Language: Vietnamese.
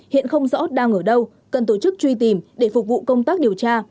hiện không rõ đang ở đâu cần tổ chức truy tìm để phục vụ công tác điều tra